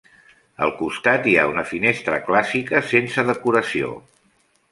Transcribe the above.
Al costat hi ha una finestra clàssica sense decoració.